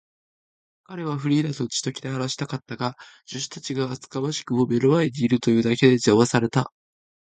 彼はフリーダとうちとけて話したかったが、助手たちが厚かましくも目の前にいるというだけで、じゃまされた。